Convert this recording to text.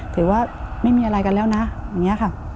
ถือว่าไม่มีอะไรกันแล้วนะอย่างนี้ค่ะ